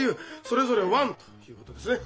それぞれ１ということですね？